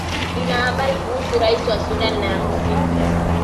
lina habari kuhusu rais wa sudan ya kusini